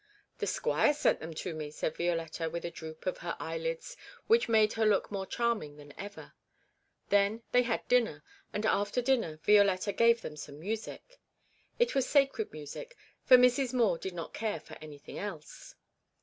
'The squire sent them to me,' said Violetta, with a droop of her eyelids which made her look more charming than ever. Then they had dinner, and after dinner Violetta gave them some music. It was sacred music, for Mrs. Moore did not care for anything else.